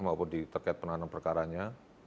maupun di terkait penanganan perkaranya